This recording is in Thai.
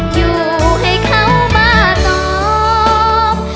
อยู่ให้เขามาตอบ